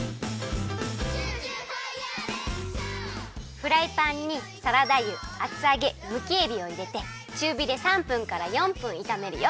フライパンにサラダ油厚あげむきえびをいれてちゅうびで３分から４分いためるよ。